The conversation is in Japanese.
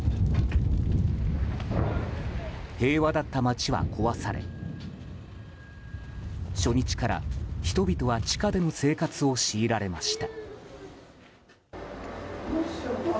平和だった街は壊され初日から、人々は地下での生活を強いられました。